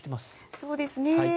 そうですね。